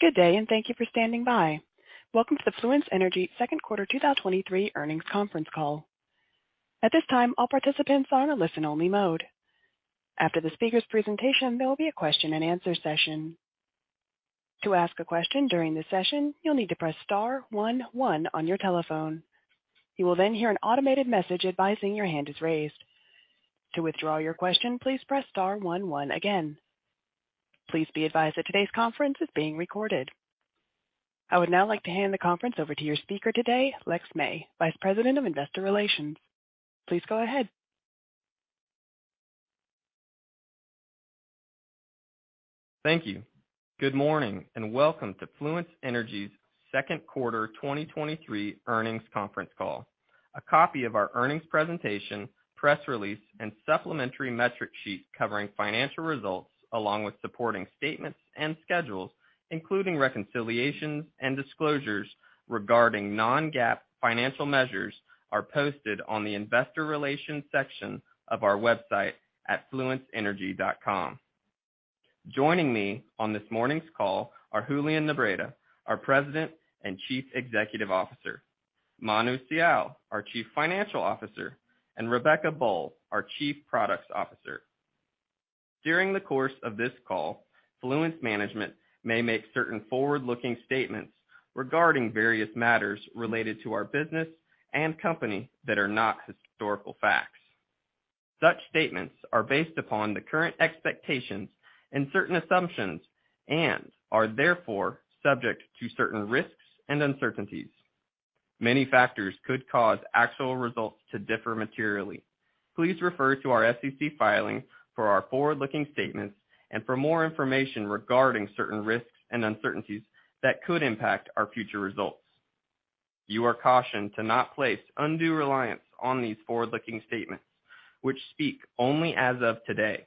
Good day, and thank you for standing by. Welcome to the Fluence Energy the Q2 2023 earnings Conference Call. At this time, all participants are in a listen-only mode. After the speaker's presentation, there will be a question and answer session. To ask a question during the session, you'll need to press star 11 on your telephone. You will then hear an automated message advising your hand is raised. To withdraw your question, please press star 11 again. Please be advised that today's conference is being recorded. I would now like to hand the conference over to your speaker today, Lexington May, Vice President of Investor Relations. Please go ahead. Thank you. Good morning, and welcome to Fluence Energy's Q2 2023 earnings Conference Call. A copy of our earnings presentation, press release and supplementary metric sheet covering financial results along with supporting statements and schedules, including reconciliations and disclosures regarding non-GAAP financial measures, are posted on the investor relations section of our website at fluenceenergy.com. Joining me on this morning's call are Julian Nebreda, our President and Chief Executive Officer, Manu Sial, our Chief Financial Officer, and Rebecca Boll, our Chief Product Officer. During the course of this call, Fluence management may make certain forward-looking statements regarding various matters related to our business and company that are not historical facts. Such statements are based upon the current expectations and certain assumptions and are therefore subject to certain risks and uncertainties. Many factors could cause actual results to differ materially. Please refer to our SEC filings for our forward-looking statements and for more information regarding certain risks and uncertainties that could impact our future results. You are cautioned not to place undue reliance on these forward-looking statements, which speak only as of today.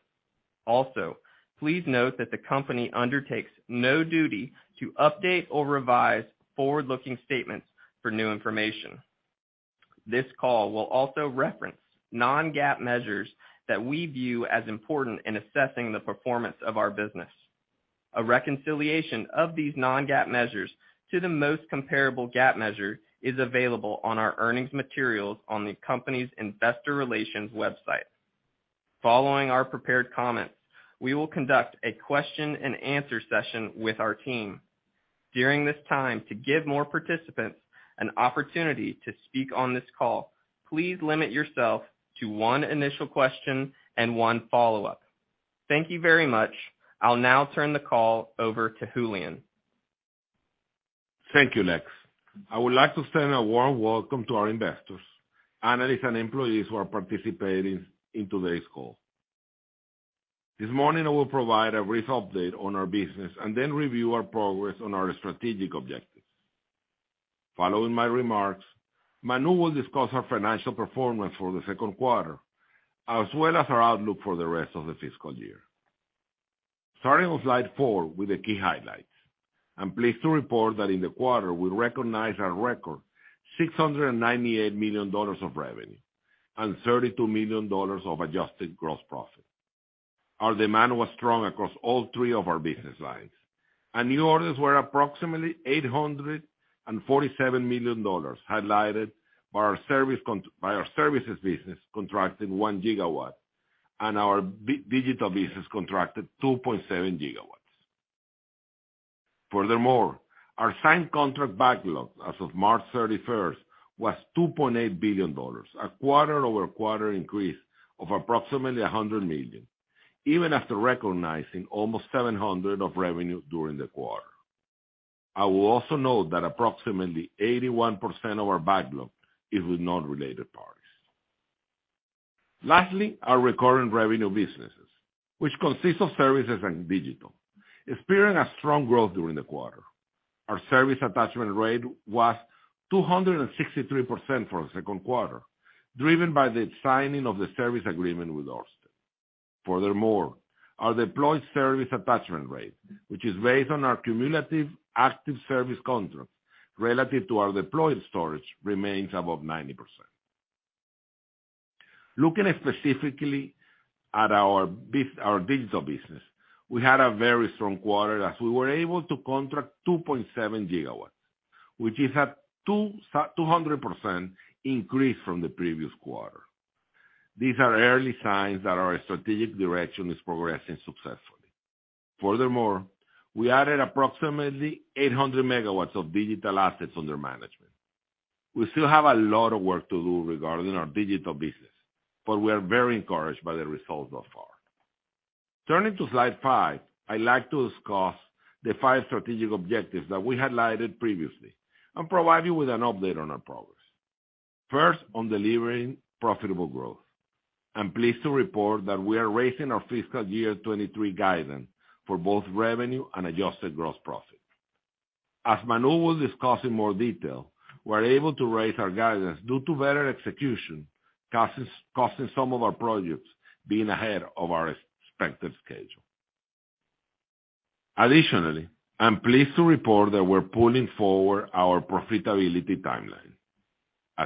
Please note that the company undertakes no duty to update or revise forward-looking statements for new information. This call will also reference non-GAAP measures that we view as important in assessing the performance of our business. A reconciliation of these non-GAAP measures to the most comparable GAAP measure is available on our earnings materials on the company's investor relations website. Following our prepared comments, we will conduct a question-and-answer session with our team. During this time, to give more participants an opportunity to speak on this call, please limit yourself to one initial question and one follow-up. Thank you very much. I'll now turn the call over to Julian. Thank you, Lex. I would like to send a warm welcome to our investors, analysts, and employees who are participating in today's call. This morning, I will provide a brief update on our business and review our progress on our strategic objectives. Following my remarks, Manu will discuss our financial performance for the Q2, as well as our outlook for the rest of the fiscal year. Starting on slide 4 with the key highlights. I'm pleased to report that in the quarter, we recognized our record $698 million of revenue and $32 million of adjusted gross profit. Our demand was strong across all three of our business lines, new orders were approximately $847 million, highlighted by our services business contracting 1 gigawatt, and our digital business contracted 2.7 gigawatts. Our signed contract backlog as of March 31st was $2.8 billion, a quarter-over-quarter increase of approximately $100 million, even after recognizing almost $700 million of revenue during the quarter. I will also note that approximately 81% of our backlog is with non-related parties. Lastly, our recurring revenue businesses, which consists of services and digital, experienced a strong growth during the quarter. Our service attachment rate was 263% for the Q2, driven by the signing of the service agreement with Austin. Our deployed service attachment rate, which is based on our cumulative active service contracts relative to our deployed storage, remains above 90%. Looking specifically at our digital business, we had a very strong quarter as we were able to contract 2.7 GW, which is a 200% increase from the previous quarter. These are early signs that our strategic direction is progressing successfully. We added approximately 800 MW of digital assets under management. We still have a lot of work to do regarding our digital business, we are very encouraged by the results so far. Turning to slide 5, I'd like to discuss the 5 strategic objectives that we highlighted previously and provide you with an update on our progress. First, on delivering profitable growth. I'm pleased to report that we are raising our fiscal year 23 guidance for both revenue and adjusted gross profit. As Manu will discuss in more detail, we're able to raise our guidance due to better execution, costing some of our projects being ahead of our expected schedule. I'm pleased to report that we're pulling forward our profitability timeline.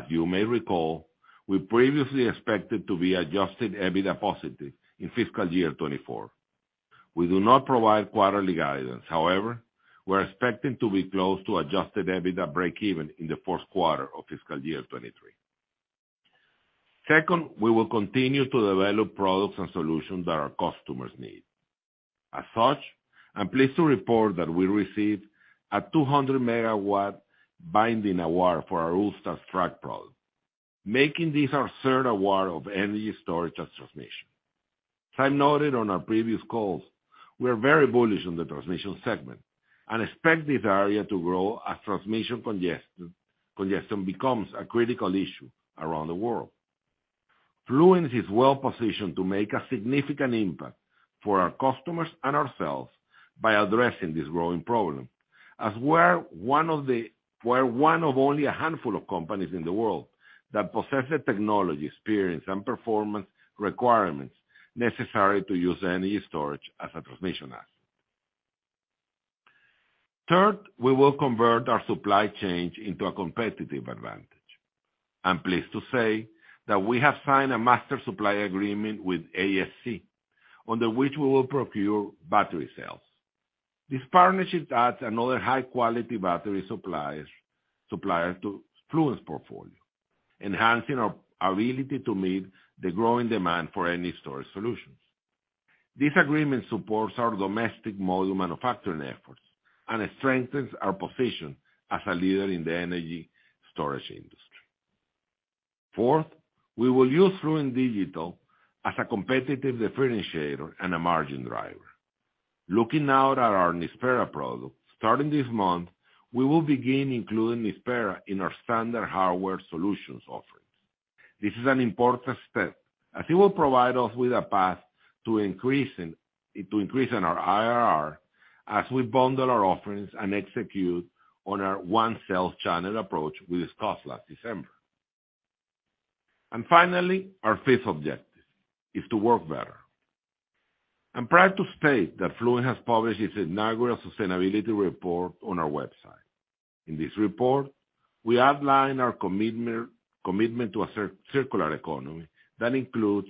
You may recall, we previously expected to be adjusted EBITDA positive in fiscal year 2024. We do not provide quarterly guidance. We're expecting to be close to adjusted EBITDA breakeven in the fourth quarter of fiscal year 2023. Second, we will continue to develop products and solutions that our customers need. I'm pleased to report that we received a 200 megawatt binding award for our Ultrastack product, making this our third award of energy storage and transmission. As I noted on our previous calls, we are very bullish on the transmission segment and expect this area to grow as transmission congestion becomes a critical issue around the world. Fluence is well-positioned to make a significant impact for our customers and ourselves by addressing this growing problem, as we're one of only a handful of companies in the world that possess the technology, experience, and performance requirements necessary to use energy storage as a transmission asset. Third, we will convert our supply chain into a competitive advantage. I'm pleased to say that we have signed a master supply agreement with AESC, under which we will procure battery cells. This partnership adds another high-quality battery supplier to the Fluence portfolio, enhancing our ability to meet the growing demand for energy storage solutions. This agreement supports our domestic module manufacturing efforts and it strengthens our position as a leader in the energy storage industry. Fourth, we will use Fluence Digital as a competitive differentiator and a margin driver. Looking now at our Nispera product, starting this month, we will begin including Nispera in our standard hardware solutions offerings. This is an important step, as it will provide us with a path to increasing our IRR as we bundle our offerings and execute on our one sales channel approach we discussed last December. Finally, our fifth objective is to work better. I'm proud to state that Fluence has published its inaugural sustainability report on our website. In this report, we outline our commitment to a circular economy that includes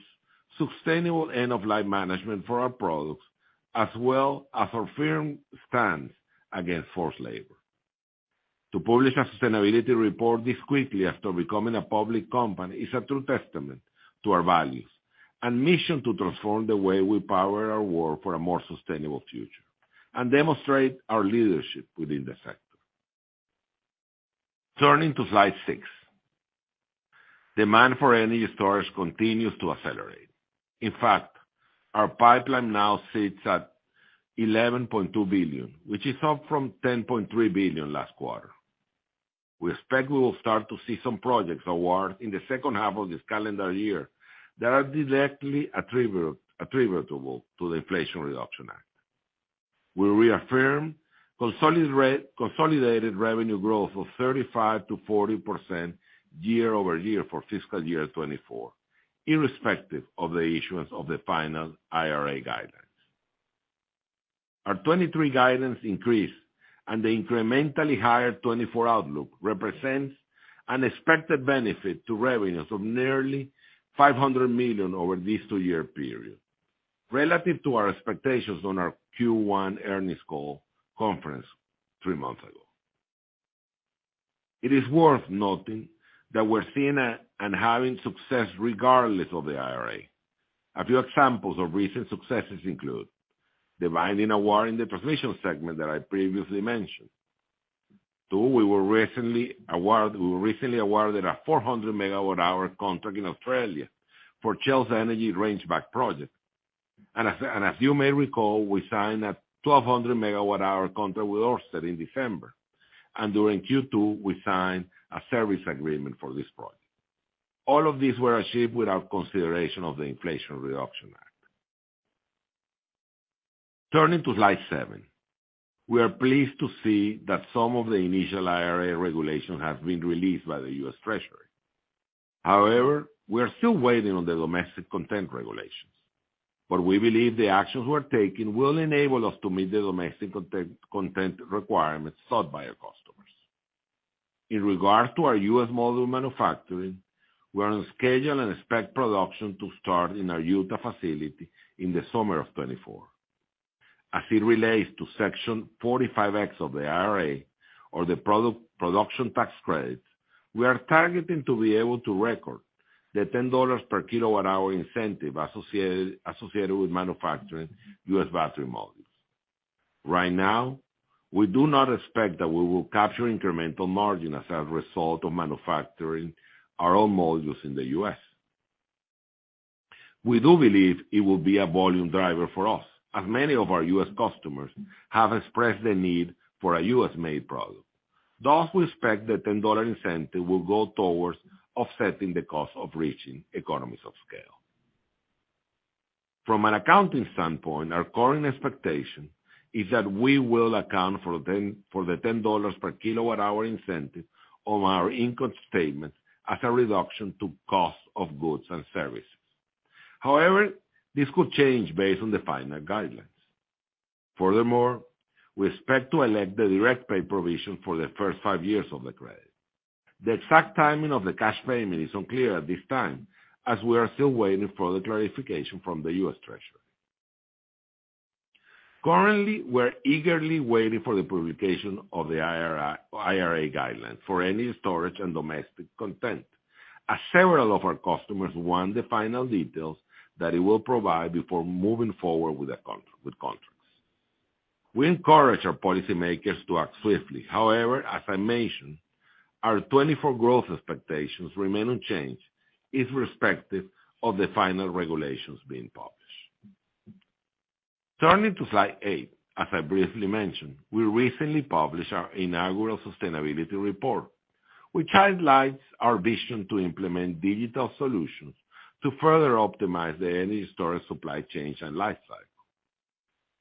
sustainable end-of-life management for our products, as well as our firm stance against forced labor. To publish a sustainability report this quickly after becoming a public company is a true testament to our values, and mission to transform the way we power our world for a more sustainable future, and demonstrate our leadership within the sector. Turning to slide six. Demand for energy storage continues to accelerate. In fact, our pipeline now sits at $11.2 billion, which is up from $10.3 billion last quarter. We expect we will start to see some projects awards in the second half of this calendar year that are directly attributable to the Inflation Reduction Act. We reaffirm consolidated revenue growth of 35%-40% year-over-year for fiscal year 2024, irrespective of the issuance of the final IRA guidelines. Our 2023 guidance increase and the incrementally higher 2024 outlook represent an expected benefit to revenues of nearly $500 million over this two-year period, relative to our expectations on our Q1 earnings call conference three months ago. It is worth noting that we're seeing and having success regardless of the IRA. A few examples of recent successes include: the binding award in the transmission segment that I previously mentioned. 2, we were recently awarded a 400 megawatt-hour contract in Australia for Shell's energy Rangebank project. As you may recall, we signed a 1,200 megawatt-hour contract with Ørsted in December. During Q2, we signed a service agreement for this project. All of these were achieved without consideration of the Inflation Reduction Act. Turning to slide 7. We are pleased to see that some of the initial IRA regulations have been released by the USA. Treasury. We are still waiting on the domestic content regulations. We believe the actions we're taking will enable us to meet the domestic content requirements sought by our customers. In regards to our USA. module manufacturing, we're on schedule and expect production to start in our Utah facility in the summer of 2024. As it relates to Section 45X of the IRA, or the production tax credit, we are targeting to be able to record the $10 per kilowatt-hour incentive associated with manufacturing USA. battery modules. Right now, we do not expect that we will capture incremental margin as a result of manufacturing our own modules in the USA. We do believe it will be a volume driver for us, as many of our USA. customers have expressed the need for a USA-made product. We expect the $10 incentive will go towards offsetting the cost of reaching economies of scale. From an accounting standpoint, our current expectation is that we will account for the $10 per kilowatt-hour incentive on our income statement as a reduction to cost of goods and services. This could change based on the final guideline. We expect to elect the direct pay provision for the first 5 years of the credit. The exact timing of the cash payment is unclear at this time, as we are still waiting for the clarification from the USA. Treasury. Currently, we're eagerly waiting for the publication of the IRA guideline for energy storage and domestic content, as several of our customers want the final details that it will provide before moving forward with contracts. We encourage our policymakers to act swiftly. As I mentioned, our 2024 growth expectations remain unchanged, irrespective of the final regulations being published. Turning to slide 8. As I briefly mentioned, we recently published our inaugural sustainability report, which highlights our vision to implement digital solutions to further optimize the energy storage supply chains and lifecycle.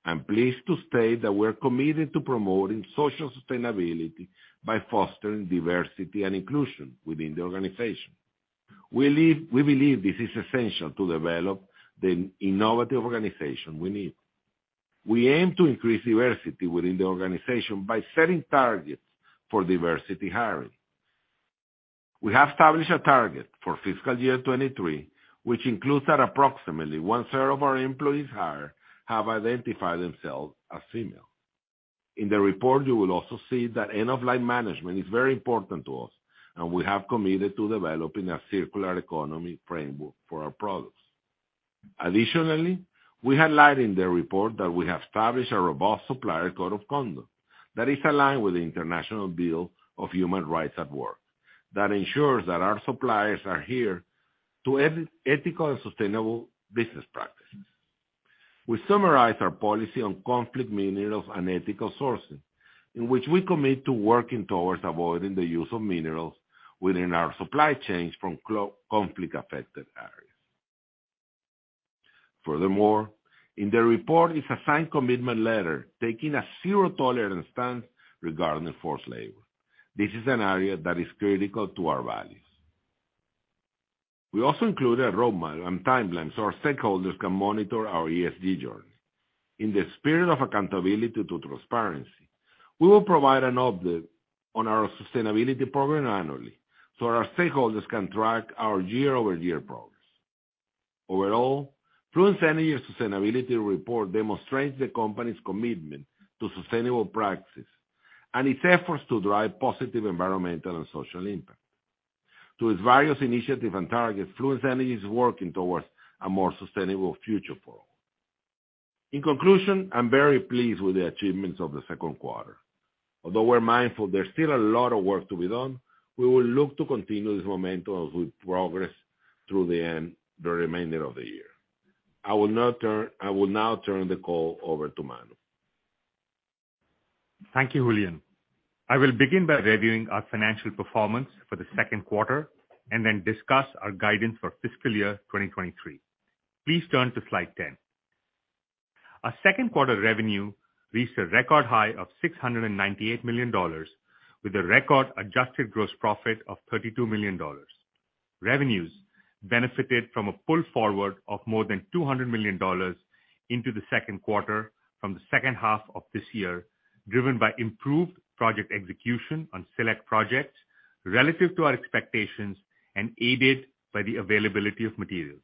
I'm pleased to state that we're committed to promoting social sustainability by fostering diversity and inclusion within the organization. We believe this is essential to develop the innovative organization we need. We aim to increase diversity within the organization by setting targets for diversity hiring. We have established a target for fiscal year 2023, which includes that approximately one-third of our employees hired have identified themselves as female. In the report, you will also see that end-of-life management is very important to us, and we have committed to developing a circular economy framework for our products. We highlight in the report that we have established a robust supplier code of conduct that is aligned with the International Bill of Human Rights at Work that ensures that our suppliers adhere to ethical and sustainable business practices. We summarize our policy on conflict minerals and ethical sourcing, in which we commit to working towards avoiding the use of minerals within our supply chains from conflict-affected areas. In the report is a signed commitment letter taking a zero-tolerance stance regarding forced labor. This is an area that is critical to our values. We also included a roadmap and timelines so our stakeholders can monitor our ESG journey. In the spirit of accountability to transparency, we will provide an update on our sustainability program annually so our stakeholders can track our year-over-year progress. Overall, Fluence Energy's sustainability report demonstrates the company's commitment to sustainable practices and its efforts to drive positive environmental and social impact. Through its various initiatives and targets, Fluence Energy is working towards a more sustainable future for all. In conclusion, I'm very pleased with the achievements of the Q2. We're mindful there's still a lot of work to be done, we will look to continue this momentum as we progress through the remainder of the year. I will now turn the call over to Manu. Thank you, Julian. I will begin by reviewing our financial performance for the Q2 and then discuss our guidance for fiscal year 2023. Please turn to slide 10. Our Q2 revenue reached a record high of $698 million with a record adjusted gross profit of $32 million. Revenues benefited from a pull forward of more than $200 million into the Q2 from the second half of this year, driven by improved project execution on select projects relative to our expectations and aided by the availability of materials.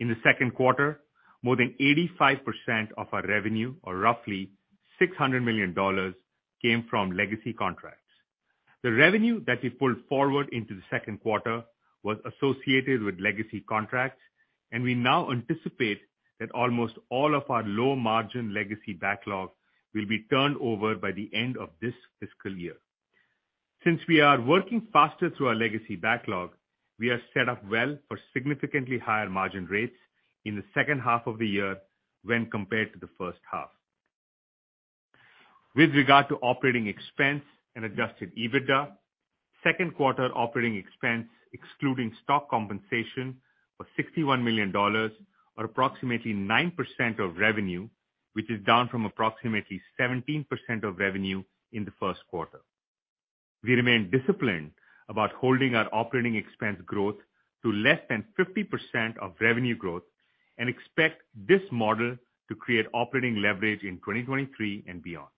In the Q2, more than 85% of our revenue or roughly $600 million came from legacy contracts. The revenue that we pulled forward into the Q2 was associated with legacy contracts, and we now anticipate that almost all of our low-margin legacy backlog will be turned over by the end of this fiscal year. Since we are working faster through our legacy backlog, we are set up well for significantly higher margin rates in the second half of the year when compared to the first half. With regard to operating expense and adjusted EBITDA, the Q2 operating expense, excluding stock compensation, was $61 million or approximately 9% of revenue, which is down from approximately 17% of revenue in the first quarter. We remain disciplined about holding our operating expense growth to less than 50% of revenue growth and expect this model to create operating leverage in 2023 and beyond.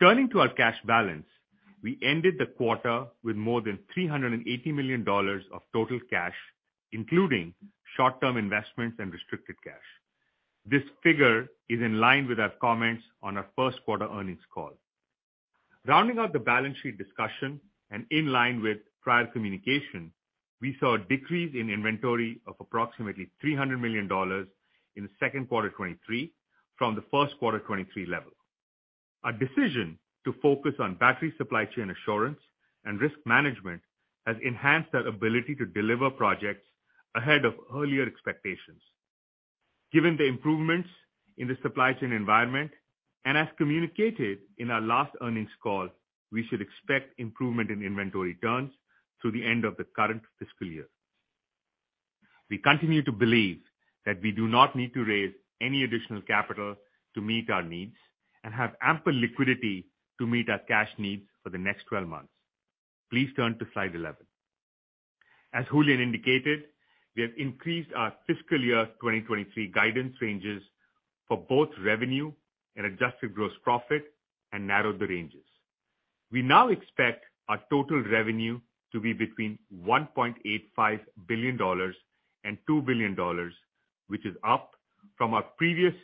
Turning to our cash balance, we ended the quarter with more than $380 million of total cash, including short-term investments and restricted cash. This figure is in line with our comments on our first quarter earnings call. Rounding out the balance sheet discussion and in line with prior communication, we saw a decrease in inventory of approximately $300 million in the Q2 2023 from the first quarter 2023 level. Our decision to focus on battery supply chain assurance and risk management has enhanced our ability to deliver projects ahead of earlier expectations. Given the improvements in the supply chain environment and as communicated in our last earnings call, we should expect improvement in inventory turns through the end of the current fiscal year. We continue to believe that we do not need to raise any additional capital to meet our needs and have ample liquidity to meet our cash needs for the next 12 months. Please turn to slide 11. As Julian indicated, we have increased our fiscal year 2023 guidance ranges for both revenue and adjusted gross profit and narrowed the ranges. We now expect our total revenue to be between $1.85 billion and $2 billion, which is up from our previous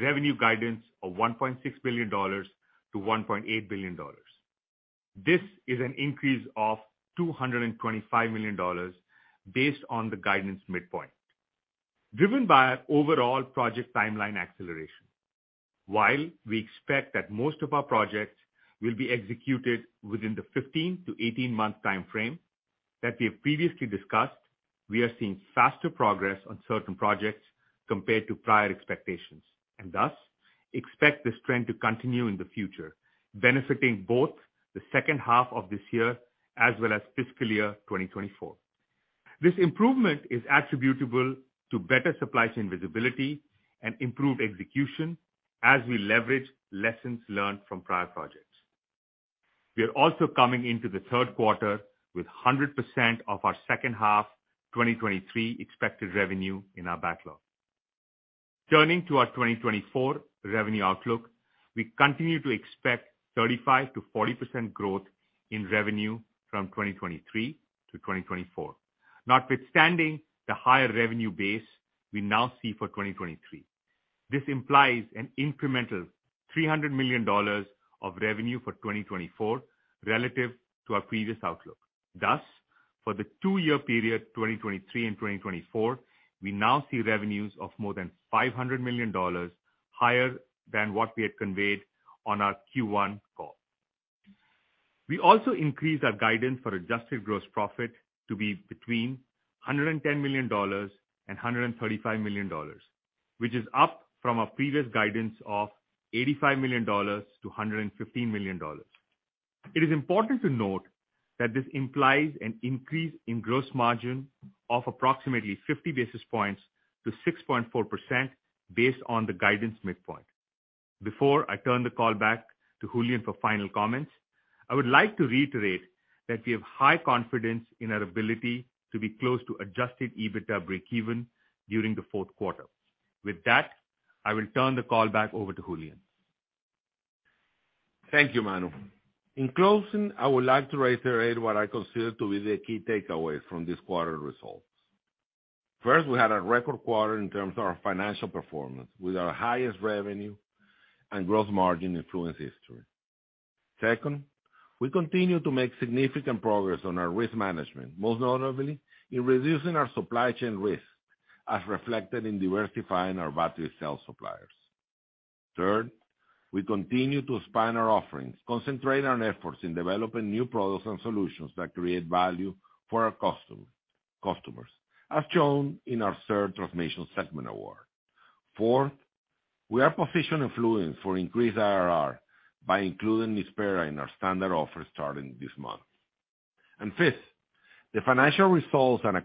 revenue guidance of $1.6 billion to $1.8 billion. This is an increase of $225 million based on the guidance midpoint, driven by our overall project timeline acceleration. While we expect that most of our projects will be executed within the 15-18 month time frame that we have previously discussed, we are seeing faster progress on certain projects compared to prior expectations, and thus expect this trend to continue in the future, benefiting both the second half of this year as well as fiscal year 2024. This improvement is attributable to better supply chain visibility and improved execution as we leverage lessons learned from prior projects. We are also coming into the 3rd quarter with 100% of our second half 2023 expected revenue in our backlog. Turning to our 2024 revenue outlook, we continue to expect 35%-40% growth in revenue from 2023 to 2024. Notwithstanding the higher revenue base we now see for 2023, this implies an incremental $300 million of revenue for 2024 relative to our previous outlook. For the two-year period, 2023 and 2024, we now see revenues of more than $500 million higher than what we had conveyed on our Q1 call. We also increased our guidance for adjusted gross profit to be between $110 million and $135 million, which is up from our previous guidance of $85 million to $115 million. It is important to note that this implies an increase in gross margin of approximately 50 basis points to 6.4% based on the guidance midpoint. Before I turn the call back to Julian for final comments, I would like to reiterate that we have high confidence in our ability to be close to adjusted EBITDA breakeven during the fourth quarter. With that, I will turn the call back over to Julian. Thank you, Manu. In closing, I would like to reiterate what I consider to be the key takeaways from this quarter's results. First, we had a record quarter in terms of our financial performance with our highest revenue and gross margin in Fluence history. Second, we continue to make significant progress on our risk management, most notably in reducing our supply chain risk as reflected in diversifying our battery cell suppliers. Third, we continue to expand our offerings, concentrate on efforts in developing new products and solutions that create value for our customers, as shown in our third Transformation Segment Award. Fourth, we are positioning Fluence for increased IRR by including Nispera in our standard offer starting this month. Fifth, the financial results and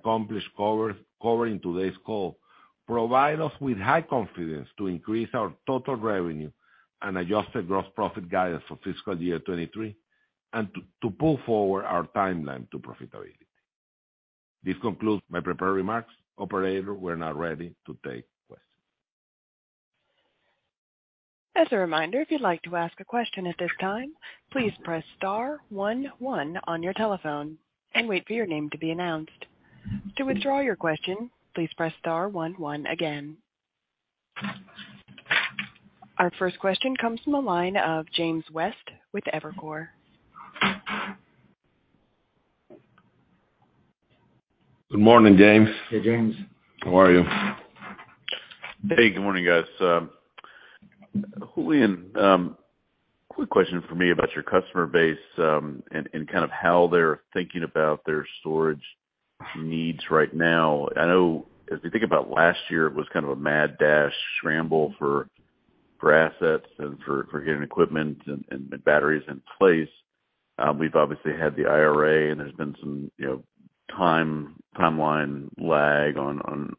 covering today's call provide us with high confidence to increase our total revenue and adjusted gross profit guidance for fiscal year 2023, and to pull forward our timeline to profitability. This concludes my prepared remarks. Operator, we're now ready to take questions. As a reminder, if you'd like to ask a question at this time, please press star one one on your telephone and wait for your name to be announced. To withdraw your question, please press star one one again. Our first question comes from the line of James West with Evercore. Good morning, James. Hey, James. How are you? Hey, good morning, guys. Julian, quick question from me about your customer base, and kind of how they're thinking about their storage needs right now. I know as we think about last year, it was kind of a mad dash scramble for assets and for getting equipment and batteries in place. We've obviously had the IRA, and there's been some, you know, timeline lag on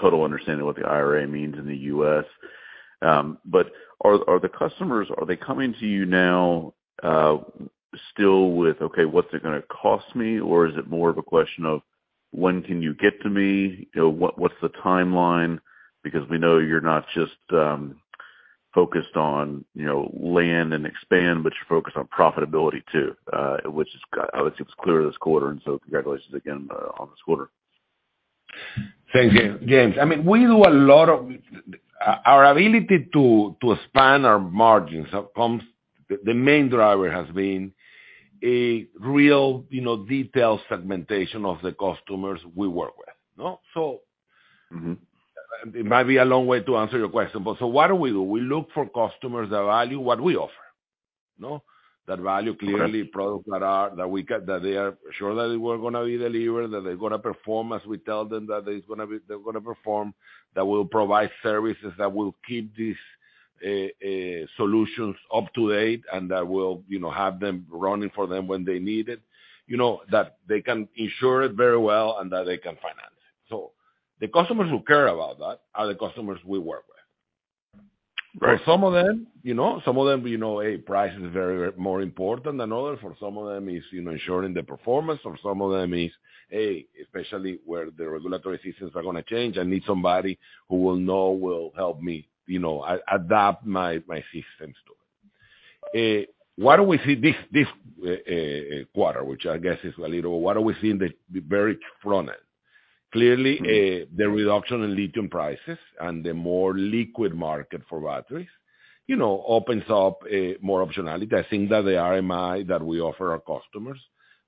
total understanding what the IRA means in the USA. Are the customers, are they coming to you now, still with, "Okay, what's it gonna cost me?" Or is it more of a question of, "When can you get to me?" You know, "What, what's the timeline?" Because we know you're not just focused on, you know, land and expand, but you're focused on profitability too, which is I would say was clear this quarter. Congratulations again, on this quarter. Thanks, James. I mean, we do a lot of. Our ability to expand our margins comes. The main driver has been a real, you know, detailed segmentation of the customers we work with. No? Mm-hmm. It might be a long way to answer your question. What do we do? We look for customers who value what we offer. No? That value clearly products that are, that we that they are sure that they were gonna be delivered, that they're gonna perform as we tell them that it's gonna be, they're gonna perform, that will provide services, that will keep these solutions up to date, and that will, you know, have them running for them when they need it. You know, that they can insure it very well, and that they can finance it. The customers who care about that are the customers we work with. Right. For some of them, you know, some of them, you know, A, price is very, more important than others. For some of them is, you know, ensuring the performance. For some of them is, A, especially where the regulatory systems are gonna change, I need somebody who will know, will help me, you know, adapt my systems to it. What do we see this quarter, which I guess is a little, what do we see in the very front end. Clearly, the reduction in lithium prices and the more liquid market for batteries, you know, opens up more optionality. I think that the RMI that we offer our customers,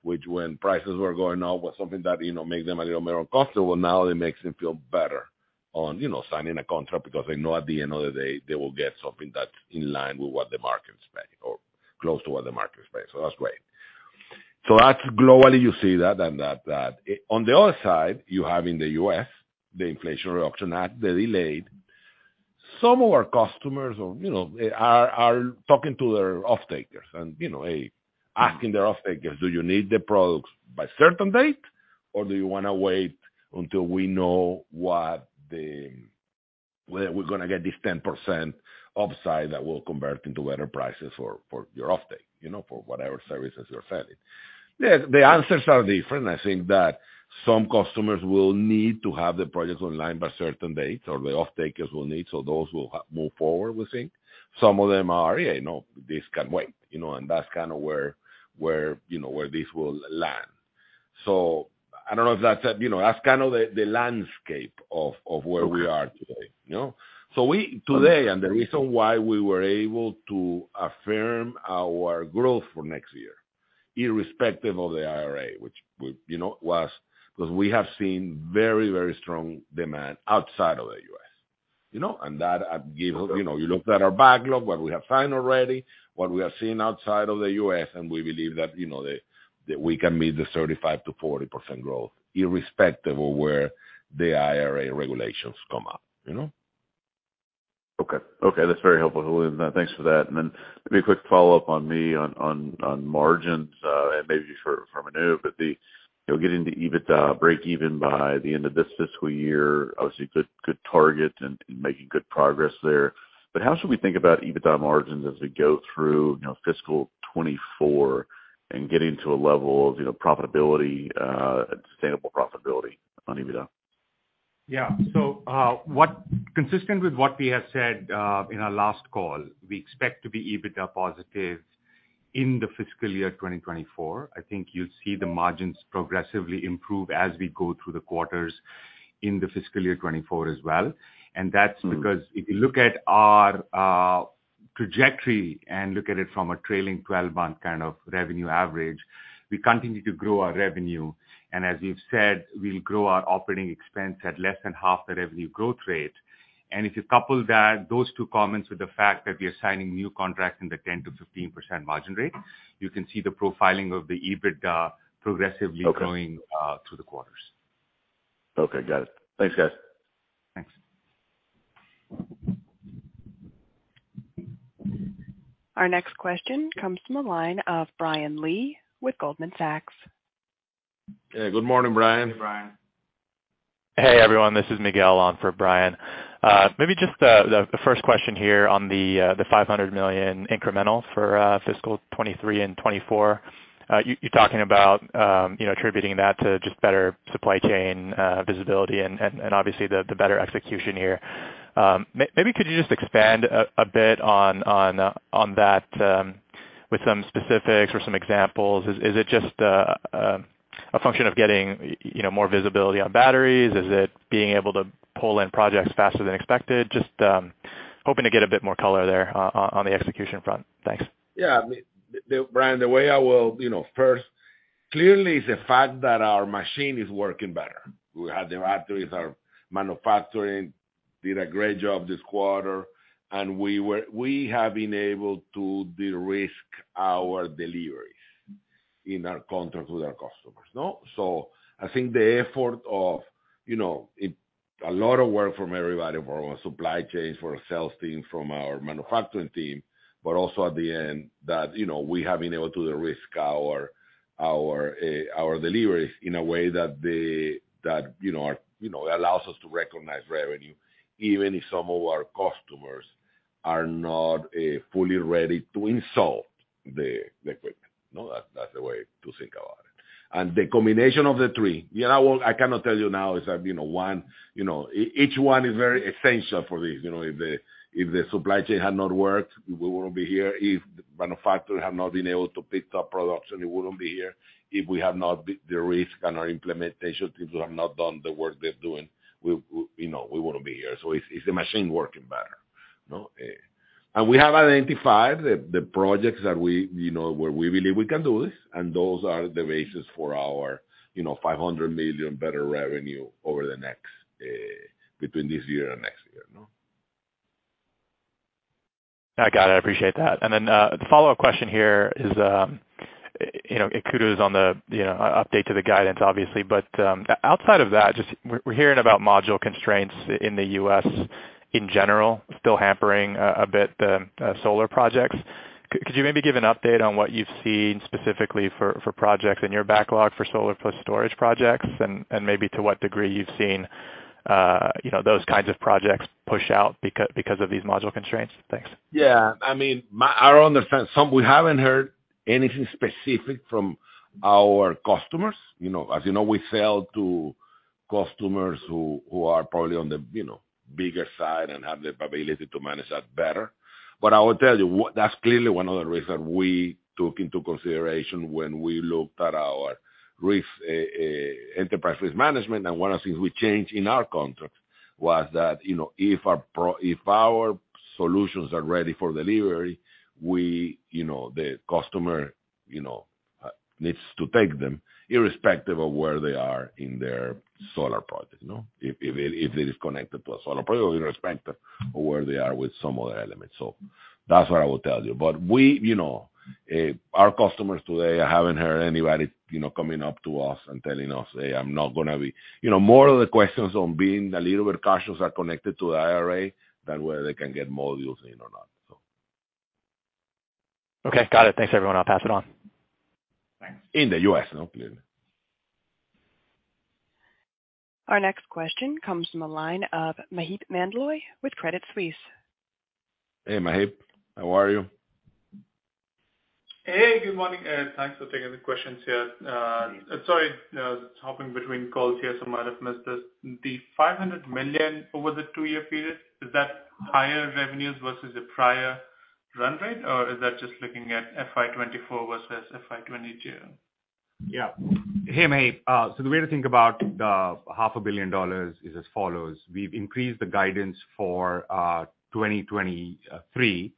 which when prices were going up, was something that, you know, make them a little more comfortable, now it makes them feel better on, you know, signing a contract because they know at the end of the day they will get something that's in line with what the market's paying or close to what the market's paying. That's great. That's globally you see that. On the other side, you have in the USA. the Inflation Reduction Act, the delayed. Some of our customers or, you know, are talking to their off-takers and, you know, asking their off-takers, "Do you need the products by certain date or do you wanna wait until we know what the... we're gonna get this 10% upside that will convert into better prices for your off-take, you know, for whatever services you're selling?" The answers are different. I think that some customers will need to have the projects online by certain dates or the off-takers will need, so those will move forward, we think. Some of them are, "Yeah, no, this can wait." You know, that's kind of where, you know, where this will land. I don't know if that's You know, that's kind of the landscape of where we are today, you know? We, today, and the reason why we were able to affirm our growth for next year, irrespective of the IRA, which we, you know, was because we have seen very, very strong demand outside of the USA, you know. That give, you know, you look at our backlog, what we have signed already, what we are seeing outside of the USA, and we believe that, you know, the, we can meet the 35%-40% growth irrespective of where the IRA regulations come up, you know? Okay. Okay, that's very helpful, Julian. Thanks for that. Maybe a quick follow-up on margins, and maybe for, from Anuj. The, you know, getting to EBITDA breakeven by the end of this fiscal year, obviously good target and making good progress there. How should we think about EBITDA margins as we go through, you know, fiscal 2024 and getting to a level of, you know, profitability, sustainable profitability on EBITDA? Consistent with what we have said in our last call, we expect to be EBITDA positive in the fiscal year 2024. I think you'll see the margins progressively improve as we go through the quarters in the fiscal year 2024 as well. That's because if you look at our trajectory and look at it from a trailing 12-month kind of revenue average, we continue to grow our revenue. As we've said, we'll grow our operating expense at less than half the revenue growth rate. If you couple that, those two comments with the fact that we are signing new contracts in the 10%-15% margin rate, you can see the profiling of the EBITDA progressively- Okay. growing, through the quarters. Okay, got it. Thanks, guys. Thanks. Our next question comes from the line of Brian Lee with Goldman Sachs. Yeah, good morning, Brian. Hey, Brian. Hey, everyone, this is Miguel on for Brian. Maybe just the first question here on the $500 million incremental for fiscal 2023 and 2024. You're talking about, you know, attributing that to just better supply chain visibility and obviously the better execution here. Maybe could you just expand a bit on that with some specifics or some examples? Is it just a function of getting, you know, more visibility on batteries? Is it being able to pull in projects faster than expected? Just hoping to get a bit more color there on the execution front. Thanks. Yeah. Brian, the way I will, you know, first, clearly it's the fact that our machine is working better. We have the batteries, our manufacturing did a great job this quarter, we have been able to de-risk our deliveries in our contracts with our customers, no? I think the effort of, you know, a lot of work from everybody from our supply chains, from our sales team, from our manufacturing team, but also at the end that, you know, we have been able to de-risk our deliveries in a way that, you know, are, you know, allows us to recognize revenue, even if some of our customers are not fully ready to install the equipment. No? That's the way to think about it. The combination of the three. Yeah, I cannot tell you now is that, you know, one, you know, each one is very essential for this. You know, if the supply chain had not worked, we wouldn't be here. If the manufacturer had not been able to pick up production, we wouldn't be here. If we have not de-risked and our implementation people have not done the work they're doing, we, you know, we wouldn't be here. It's, it's the machine working better. No? We have identified the projects that we, you know, where we believe we can do this, and those are the basis for our, you know, $500 million better revenue over the next between this year and next year, no? I got it. I appreciate that. You know, kudos on the, you know, update to the guidance obviously, but outside of that, just we're hearing about module constraints in the USA in general still hampering a bit the solar projects. Could you maybe give an update on what you've seen specifically for projects in your backlog for solar plus storage projects and maybe to what degree you've seen. You know, those kinds of projects push out because of these module constraints? Thanks. Yeah. I mean, our own defense, some we haven't heard anything specific from our customers. You know, as you know, we sell to customers who are probably on the, you know, bigger side and have the ability to manage that better. I will tell you what, that's clearly one of the reasons we took into consideration when we looked at our risk enterprise risk management. One of the things we changed in our contract was that, you know, if our solutions are ready for delivery, we, you know, the customer, you know, needs to take them irrespective of where they are in their solar project, you know. If it is connected to a solar project, irrespective of where they are with some other elements. That's what I will tell you. We, you know, our customers today, I haven't heard anybody, you know, coming up to us and telling us, "Hey, I'm not gonna be..." You know, more of the questions on being a little bit cautious are connected to the IRA than whether they can get modules in or not. Okay. Got it. Thanks, everyone. I'll pass it on. In the USA, you know, clearly. Our next question comes from the line of Maheep Mandloi with Credit Suisse. Hey, Maheep. How are you? Hey, good morning, thanks for taking the questions here. Sorry, hopping between calls here, I might have missed this. The $500 million over the two-year period, is that higher revenues versus the prior run rate, or is that just looking at FY24 versus FY22? Yeah. Hey, Maheep. The way to think about the half a billion dollars is as follows: We've increased the guidance for 2023,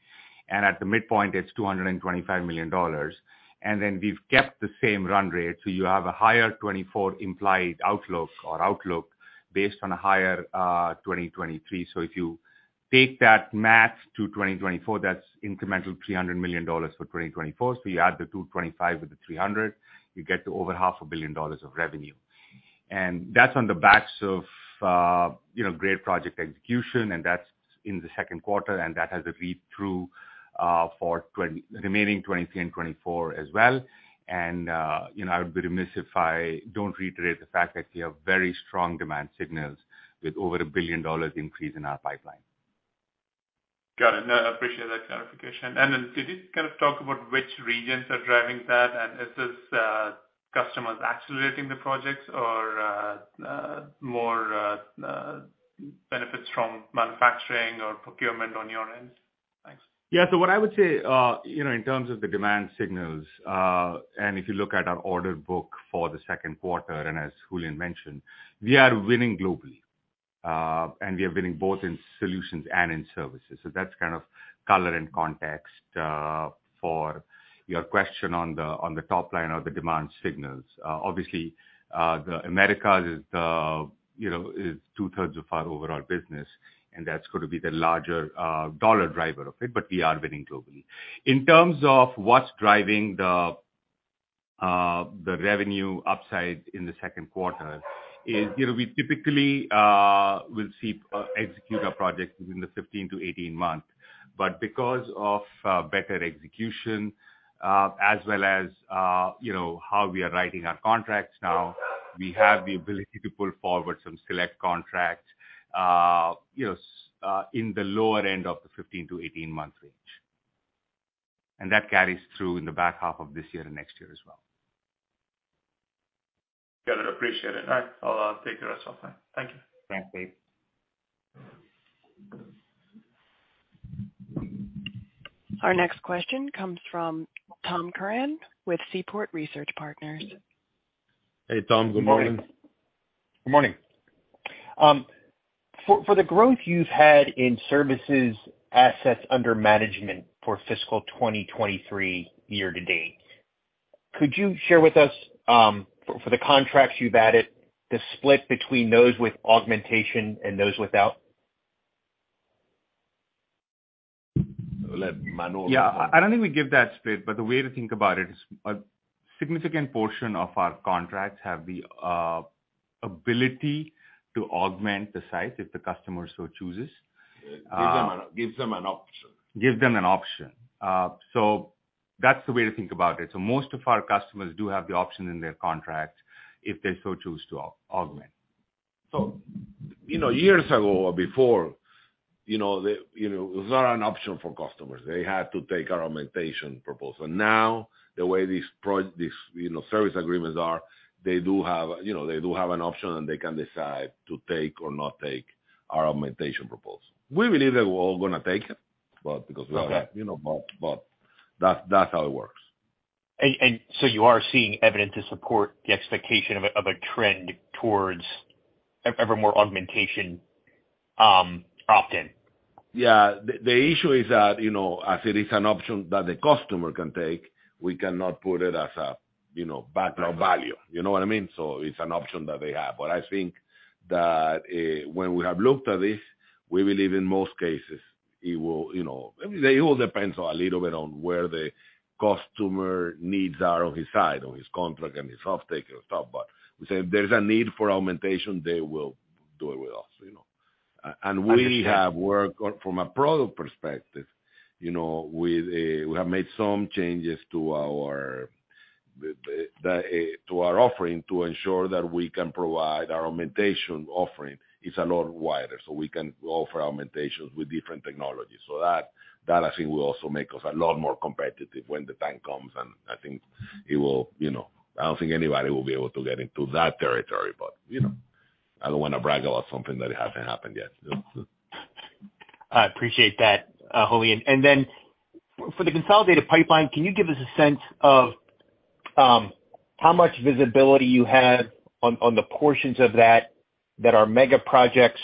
and at the midpoint it's $225 million. We've kept the same run rate, you have a higher 2024 implied outlook or outlook based on a higher 2023. If you take that math to 2024, that's incremental $300 million for 2024. You add the 225 with the 300, you get to over half a billion dollars of revenue. That's on the backs of, you know, great project execution, and that's in the Q2, and that has a read-through for the remaining 2023 and 2024 as well. You know, I would be remiss if I don't reiterate the fact that we have very strong demand signals with over $1 billion increase in our pipeline. Got it. No, I appreciate that clarification. Did you kind of talk about which regions are driving that? Is this, customers accelerating the projects or, more, benefits from manufacturing or procurement on your end? Thanks. Yeah. What I would say, you know, in terms of the demand signals, and if you look at our order book for the Q2, as Julian mentioned, we are winning globally. We are winning both in solutions and in services. That's kind of color and context, for your question on the, on the top line of the demand signals. Obviously, the Americas is the, you know, is 2/3 of our overall business, and that's gonna be the larger, dollar driver of it, but we are winning globally. In terms of what's driving the revenue upside in the Q is, you know, we typically, will see, execute our projects within the 15-18 months. Because of better execution, as well as, you know, how we are writing our contracts now, we have the ability to pull forward some select contracts, you know, in the lower end of the 15-18 month range. That carries through in the back half of this year and next year as well. Got it. Appreciate it. All right. I'll take the rest of time. Thank you. Thanks, Maheep. Our next question comes from Tom Curran with Seaport Research Partners. Hey, Tom. Good morning. Good morning. Good morning. For the growth you've had in services assets under management for fiscal 2023 year to date, could you share with us, for the contracts you've added, the split between those with augmentation and those without? Yeah. I don't think we give that split, but the way to think about it is a significant portion of our contracts have the ability to augment the site if the customer so chooses. It gives them an option. Gives them an option. That's the way to think about it. Most of our customers do have the option in their contract if they so choose to augment. You know, years ago or before, you know, the, you know, it was not an option for customers. They had to take our augmentation proposal. The way these, you know, service agreements are, they do have, you know, they do have an option, and they can decide to take or not take our augmentation proposal. We believe that we're all gonna take it, but because. Okay. You know, that's how it works. You are seeing evidence to support the expectation of a trend towards ever more augmentation, opt-in? Yeah. The, the issue is that, you know, as it is an option that the customer can take, we cannot put it as a, you know, backlog value. You know what I mean? It's an option that they have. I think that, when we have looked at this, we believe in most cases it will, you know. I mean, it all depends a little bit on where the customer needs are on his side, on his contract and his off-take and stuff. We say if there's a need for augmentation, they will do it with us, you know? We have worked from a product perspective, you know, we have made some changes to our offering to ensure that we can provide our augmentation offering is a lot wider, so we can offer augmentations with different technologies. That I think will also make us a lot more competitive when the time comes. I think it will, you know. I don't think anybody will be able to get into that territory. You know, I don't wanna brag about something that hasn't happened yet. I appreciate that, Julian. For the consolidated pipeline, can you give us a sense of how much visibility you have on the portions of that are mega projects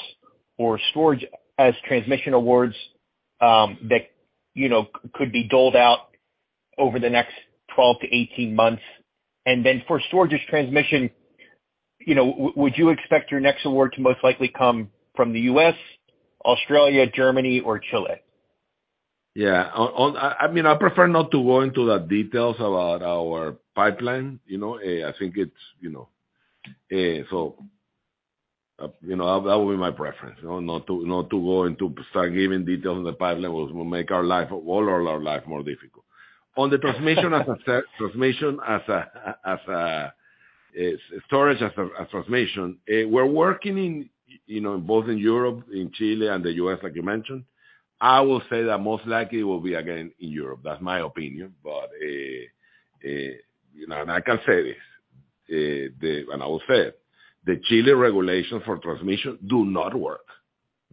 or storage as transmission awards, that, you know, could be doled out over the next 12-18 months? For storage as transmission, you know, would you expect your next award to most likely come from the USA, Australia, Germany, or Chile? Yeah. On, I mean, I prefer not to go into the details about our pipeline, you know. I think it's, you know. You know, that would be my preference, you know, not to go into start giving details on the pipeline will make our life, all our life more difficult. On the Storage as Transmission, we're working in, you know, both in Europe, in Chile and the USA, like you mentioned. I will say that most likely it will be again in Europe. That's my opinion. You know, I can say this, I will say it, the Chilean regulations for transmission do not work.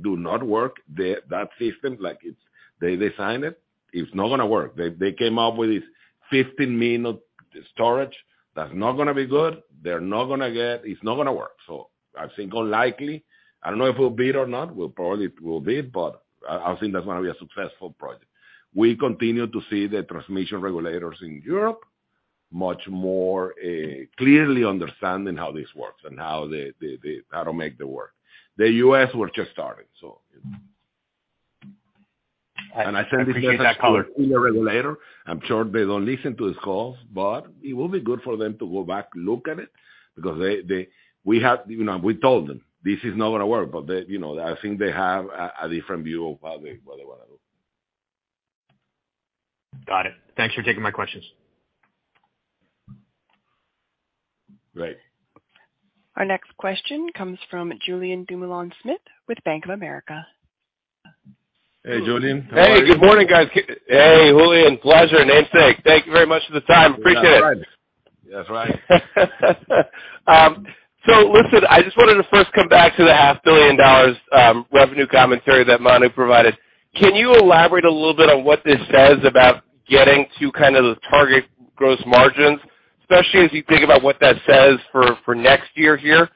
Do not work. That system, like it's, they designed it's not gonna work. They came up with this 15-minute storage. That's not gonna be good. It's not gonna work. I think unlikely. I don't know if we'll bid or not. We'll probably will bid, but I think that's gonna be a successful project. We continue to see the transmission regulators in Europe much more clearly understanding how this works and how the, how to make them work. The USA, we're just starting. It... I appreciate that color. I send this message to the regulator. I'm sure they don't listen to these calls, but it will be good for them to go back, look at it, because they, we have, you know, we told them, this is not gonna work. They, you know, I think they have a different view of what they wanna do. Got it. Thanks for taking my questions. Great. Our next question comes from Julien Dumoulin-Smith with Bank of America. Hey, Julian. How are you? Hey, good morning, guys. Hey, Julian. Pleasure. Namesake. Thank you very much for the time. Appreciate it. That's right. Listen, I just wanted to first come back to the half-billion-dollars revenue commentary that Manu provided. Can you elaborate a little bit on what this says about getting to kind of the target gross margins, especially as you think about what that says for next year here?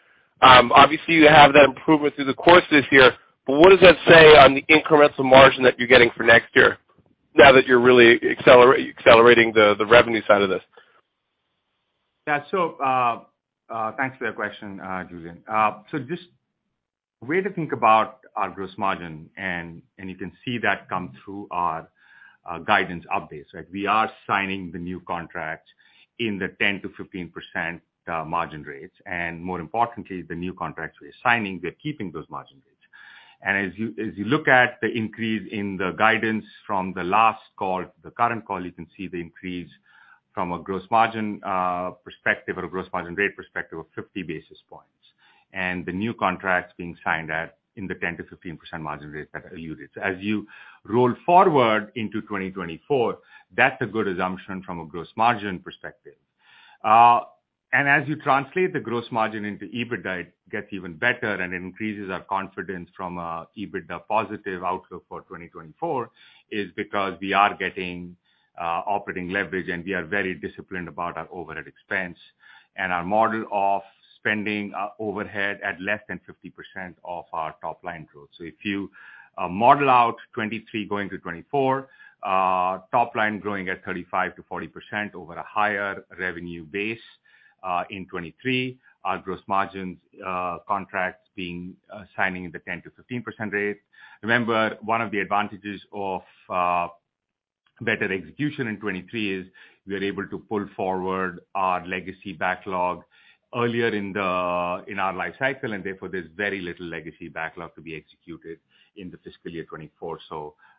Obviously you have that improvement through the course this year, but what does that say on the incremental margin that you're getting for next year now that you're really accelerating the revenue side of this? Thanks for that question, Julian. Just way to think about our gross margin, and you can see that come through our guidance updates, right? We are signing the new contracts in the 10%-15% margin rates, and more importantly, the new contracts we're signing, we are keeping those margin rates. As you look at the increase in the guidance from the last call to the current call, you can see the increase from a gross margin perspective or a gross margin rate perspective of 50 basis points. The new contracts being signed at in the 10%-15% margin rates that I alluded. As you roll forward into 2024, that's a good assumption from a gross margin perspective. As you translate the gross margin into EBITDA, it gets even better and increases our confidence from a EBITDA positive outlook for 2024 is because we are getting operating leverage, and we are very disciplined about our overhead expense and our model of spending overhead at less than 50% of our top line growth. If you model out 2023 going to 2024, top line growing at 35%-40% over a higher revenue base in 2023, our gross margins, contracts being signing in the 10%-15% rates. Remember, one of the advantages of better execution in 2023 is we are able to pull forward our legacy backlog earlier in our life cycle, and therefore there's very little legacy backlog to be executed in the fiscal year 2024.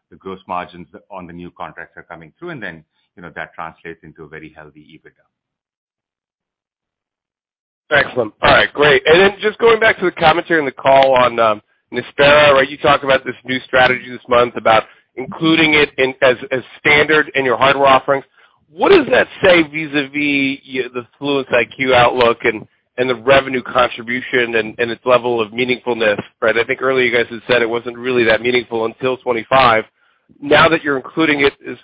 The gross margins on the new contracts are coming through, and then, you know, that translates into a very healthy EBITDA. Excellent. All right. Great. Just going back to the commentary in the call on Nispera, right? You talked about this new strategy this month about including it in as standard in your hardware offerings. What does that say vis-a-vis the Fluence IQ outlook and the revenue contribution and its level of meaningfulness, right? I think earlier you guys had said it wasn't really that meaningful until 25. Now that you're including it as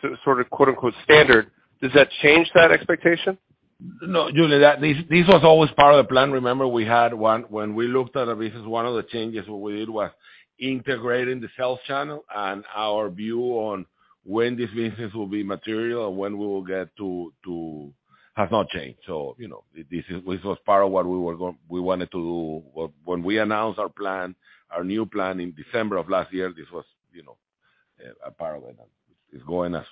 quote-unquote standard, does that change that expectation? No, Julian. This was always part of the plan. Remember when we looked at the business, one of the changes we did was integrating the sales channel and our view on when this business will be material and when we will get to has not changed. You know, this was part of what we wanted to do. When we announced our plan, our new plan in December of last year, this was, you know. Apparently that is going as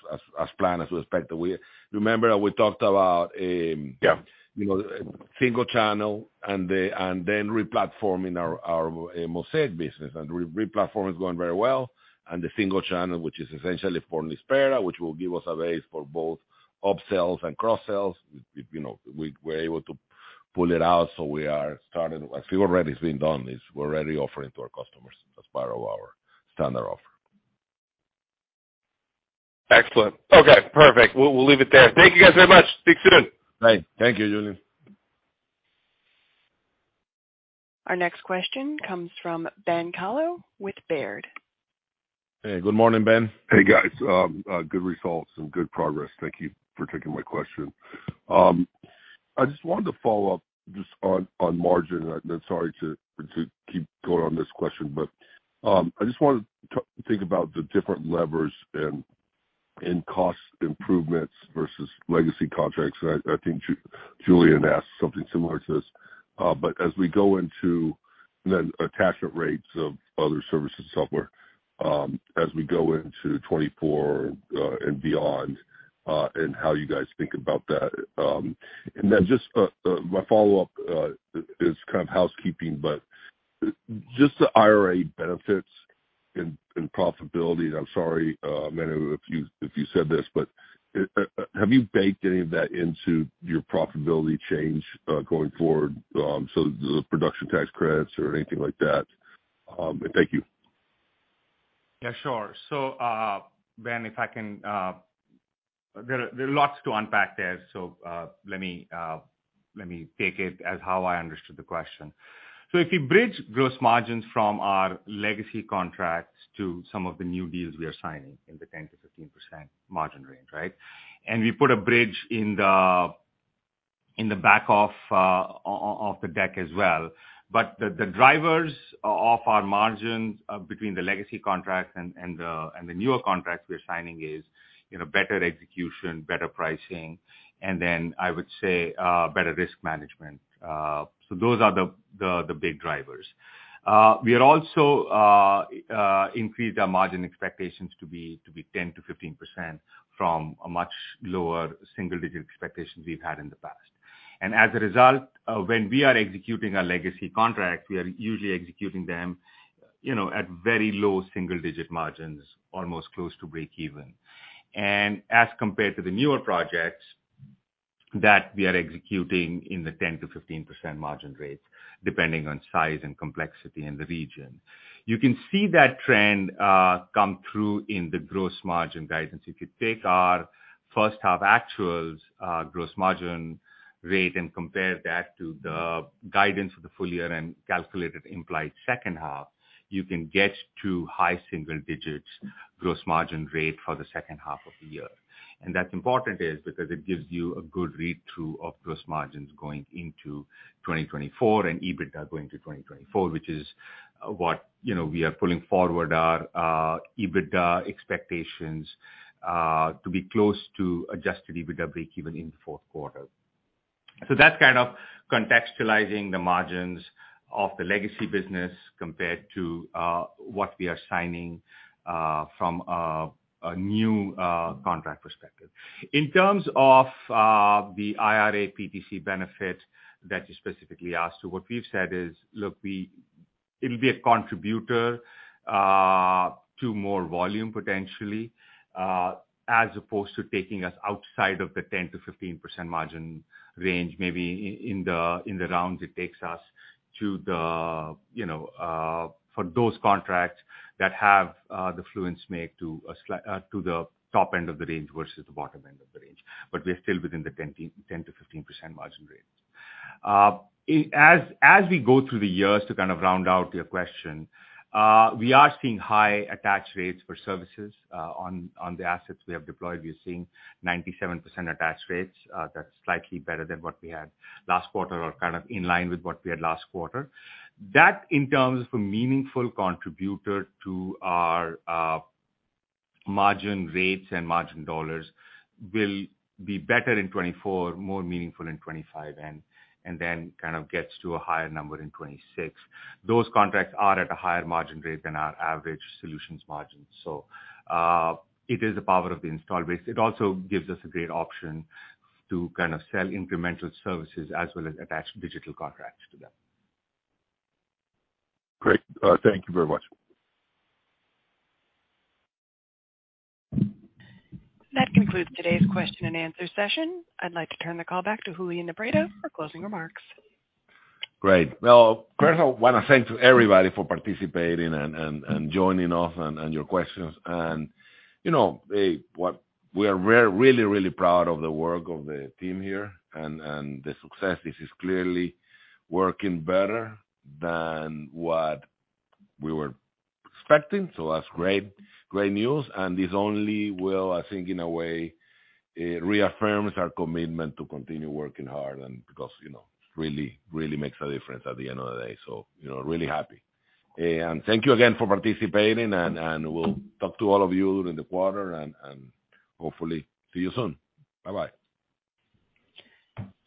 planned as we expected. We remember that we talked about. Yeah. You know, single channel and then re-platforming our Mosaic business. Re-platform is going very well. The single channel, which is essentially for Nispera, which will give us a base for both upsells and cross-sells. You know, we were able to pull it out, so we are starting. Actually, already it's been done. We're already offering to our customers as part of our standard offer. Excellent. Okay, perfect. We'll leave it there. Thank you guys very much. Speak soon. Bye. Thank you, Julian. Our next question comes from Ben Kallo with Baird. Hey, good morning, Ben. Hey, guys. Good results and good progress. Thank you for taking my question. I just wanted to follow up just on margin. Sorry to keep going on this question, but I just wanted to think about the different levers and cost improvements versus legacy contracts. I think Julien asked something similar to this. Then attachment rates of other services software, as we go into 2024 and beyond, and how you guys think about that. Then just my follow-up is kind of housekeeping, but just the IRA benefits in profitability. I'm sorry, Manu, if you said this, but have you baked any of that into your profitability change going forward, so the production tax credits or anything like that? Thank you. Yeah, sure. Ben, if I can. There are lots to unpack there, so, let me, let me take it as how I understood the question. If you bridge gross margins from our legacy contracts to some of the new deals we are signing in the 10%-15% margin range, right? We put a bridge in the back of the deck as well. The drivers of our margins, between the legacy contracts and the newer contracts we're signing is, you know, better execution, better pricing, and then I would say, better risk management. Those are the big drivers. We have also increased our margin expectations to be 10-15% from a much lower single-digit expectations we've had in the past. As a result, when we are executing our legacy contract, we are usually executing them, you know, at very low single-digit margins, almost close to breakeven. As compared to the newer projects that we are executing in the 10-15% margin rates, depending on size and complexity in the region. You can see that trend come through in the gross margin guidance. If you take our first half actuals, gross margin rate and compare that to the guidance for the full year and calculate the implied second half, you can get to high single digits gross margin rate for the second half of the year. That's important is because it gives you a good read-through of gross margins going into 2024 and EBITDA going to 2024, which is what, you know, we are pulling forward our EBITDA expectations to be close to adjusted EBITDA breakeven in the fourth quarter. That's kind of contextualizing the margins of the legacy business compared to what we are signing from a new contract perspective. In terms of the IRA PTC benefit that you specifically asked. What we've said is, look, it'll be a contributor to more volume potentially, as opposed to taking us outside of the 10%-15% margin range, maybe in the, in the rounds it takes us to the, you know, for those contracts that have the Fluence make to the top end of the range versus the bottom end of the range. We're still within the 10%-15% margin range. As we go through the years to kind of round out your question, we are seeing high attach rates for services on the assets we have deployed. We are seeing 97% attach rates. That's slightly better than what we had last quarter or kind of in line with what we had last quarter. That in terms of a meaningful contributor to our margin rates and margin dollars will be better in 2024, more meaningful in 2025, and then kind of gets to a higher number in 2026. Those contracts are at a higher margin rate than our average solutions margin. It is the power of the install base. It also gives us a great option to kind of sell incremental services as well as attach digital contracts to them. Great. Thank you very much. That concludes today's question and answer session. I'd like to turn the call back to Julian Nebreda for closing remarks. Great. Well, first I wanna thank to everybody for participating and joining us and your questions. You know, hey, we are really proud of the work of the team here and the success. This is clearly working better than what we were expecting. That's great news. This only will, I think, in a way, reaffirms our commitment to continue working hard and because, you know, it really makes a difference at the end of the day. You know, really happy. Thank you again for participating and we'll talk to all of you during the quarter and hopefully see you soon. Bye-bye.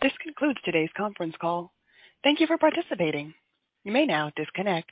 This concludes today's Conference Call. Thank you for participating. You may now disconnect.